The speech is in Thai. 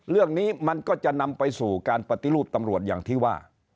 เรื่องนี้มันก็จะนำไปสู่การปฏิรูปตำรวจอย่างที่ว่า